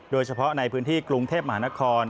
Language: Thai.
โดยเฉพาะในพื้นที่กรุงเทพมหานคร